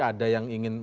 ada yang ingin